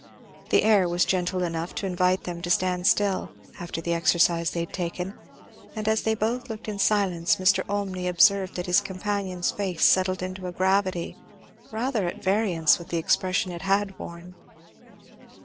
The air was gentle enough to invite them to stand still, after the exercise they had taken, and as they both looked in silence Mr. Olmney observed that his companion's face settled into a gravity rather at variance with the expression it had worn.